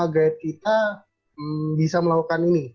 guide kita bisa melakukan ini